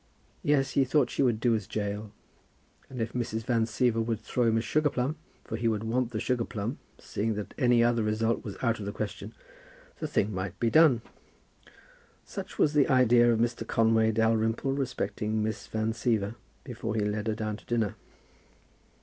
Yes, he thought she would do as Jael; and if Mrs. Van Siever would throw him a sugar plum, for he would want the sugar plum, seeing that any other result was out of the question, the thing might be done. Such was the idea of Mr. Conway Dalrymple respecting Miss Van Siever, before he led her down to dinner.